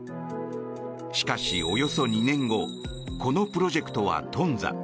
しかし、およそ２年後このプロジェクトは頓挫。